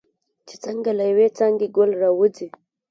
چې څنګه له یوې څانګې ګل راوځي.